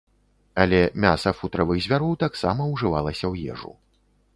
Але мяса футравых звяроў таксама ўжывалася ў ежу.